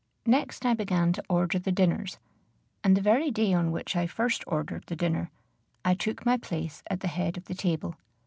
Next I began to order the dinners; and the very day on which I first ordered the dinner, I took my place at the head of the table.